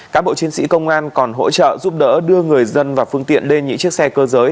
các bộ chiến sĩ công an còn hỗ trợ giúp đỡ đưa người dân và phương tiện lên những chiếc xe cơ giới